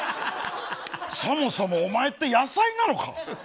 そもそもお前って野菜なのか？